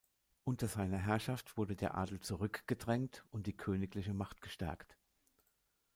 Unter seiner Herrschaft wurden der Adel zurückgedrängt und die königliche Macht gestärkt.